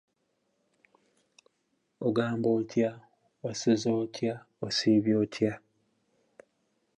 It will be the graduate medical school of the University of Texas at Tyler.